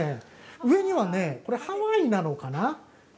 上には、ハワイなのかな？